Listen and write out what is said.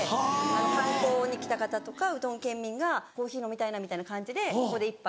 観光に来た方とかうどん県民がコーヒー飲みたいなみたいな感じでここで１杯。